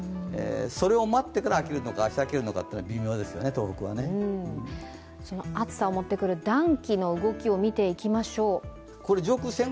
それを待ってから明けるのか、明日明けるのかは微妙ですよね、東北は暑さをもってくる暖気の動きを見ていきましょう。